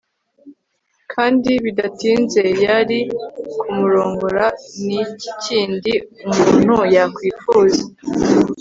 kandi bidatinze yari kumurongora. ni iki kindi umuntu yakwifuza